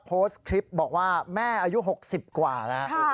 โพสต์คลิปบอกว่าแม่อายุ๖๐กว่าแล้ว